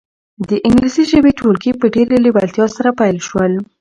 د انګلیسي ژبې ټولګي په ډېرې لېوالتیا سره پیل شول.